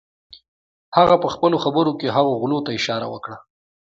هغه پهخپلو خبرو کې هغو غلو ته اشاره وکړه.